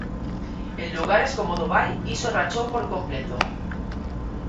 En lugares como Dubai iso rachou por completo.